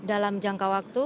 dalam jangka waktu